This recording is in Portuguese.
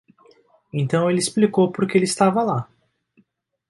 Então ele explicou por que ele estava lá.